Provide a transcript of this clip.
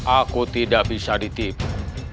aku tidak bisa ditipu